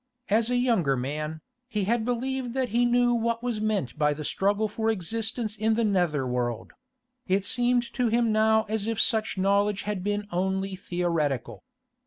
As a younger man, he had believed that he knew what was meant by the struggle for existence in the nether world; it seemed to him now as if such knowledge had been only theoretical.